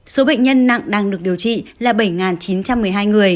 số bệnh nhân nặng đang được điều trị là bảy chín trăm một mươi hai người